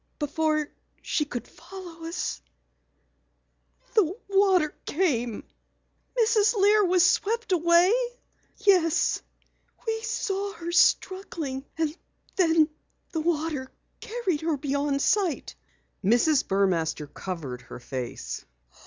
Before she could follow us, the water came." "Mrs. Lear was swept away?" "Yes, we saw her struggling and then the water carried her beyond sight." Mrs. Burmaster covered her face.